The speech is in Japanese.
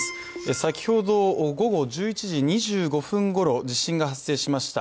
先ほど午後１１時２５分ごろ、地震が発生しました。